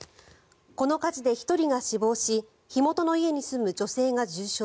この火事で１人が死亡し火元の家に住む女性が重傷